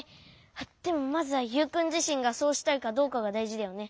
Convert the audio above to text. あっでもまずはユウくんじしんがそうしたいかどうかがだいじだよね。